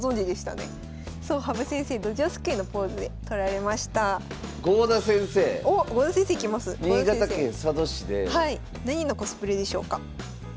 なにのコスプレでしょうか。